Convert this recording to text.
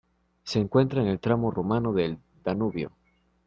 Se encuentra en el tramo rumano del Danubio.